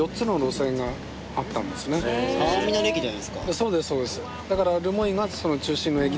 そうですそうです。